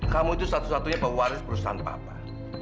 kamu itu satu satunya pewaris perusahaan papa